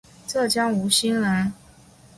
浙江吴兴人。